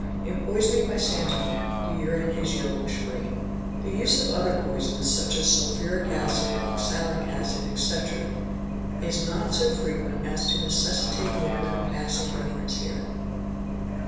In poisoning by santonine, the urine is yellowish green. : The use of other poisons such as sulphuric acid, oxalic acid, etc. , 19551060) is not so frequent as to necessitate more than a passing reference here.